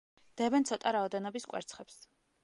დებენ ცოტა რაოდენობის კვერცხებს.